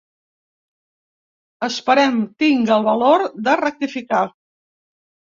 Esperem tinga el valor de rectificar.